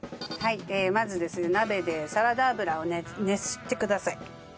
はいまずですね鍋でサラダ油を熱してください。